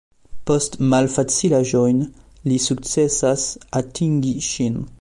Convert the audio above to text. Post malfacilaĵoj li sukcesas atingi ŝin.